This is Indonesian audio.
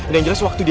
yang jelas waktu dia